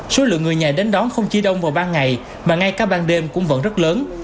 số lượng người nhà đến đón không chỉ đông vào ban ngày mà ngay cả ban đêm cũng vẫn rất lớn